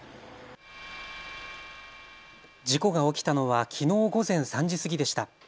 事故が起きたのはきのう午前３時過ぎでした。